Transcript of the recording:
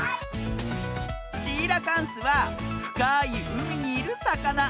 シーラカンスはふかいうみにいるさかな。